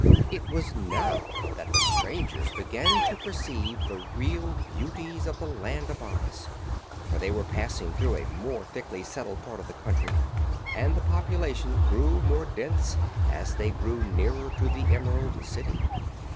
It was now that the strangers began to perceive the real beauties of the Land of Oz, for they were passing through a more thickly settled part of the country and the population grew more dense as they drew nearer to the Emerald City.